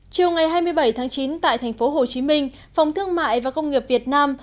chiều ngày hai mươi bảy tháng chín tại thành phố hồ chí minh phòng thương mại và công nghiệp việt nam